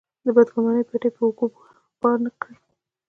د بدګمانۍ پېټی په اوږو بار نه کړي.